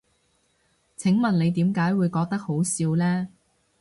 請問你點解會覺得好笑呢？